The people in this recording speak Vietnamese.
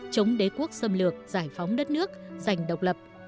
chống đế quốc xâm lược giải phóng đất nước giành độc lập